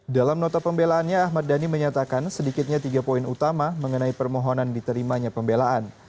dalam nota pembelaannya ahmad dhani menyatakan sedikitnya tiga poin utama mengenai permohonan diterimanya pembelaan